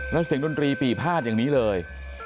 แล้วเสียงดนตรีปี่พาดอย่างนี้เลย